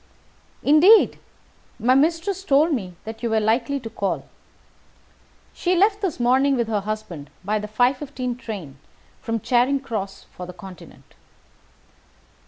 "Indeed! My mistress told me that you were likely to call. She left this morning with her husband by the 5:15 train from Charing Cross for the Continent."